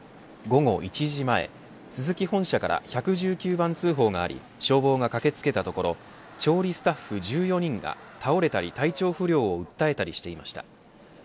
午後１時前、スズキ本社から１１９番通報があり消防が駆けつけたところ調理スタッフ１４人が、倒れたり体調不良を訴えたりしていました。